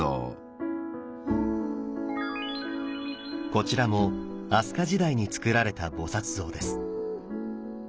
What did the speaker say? こちらも飛鳥時代につくられた菩像です。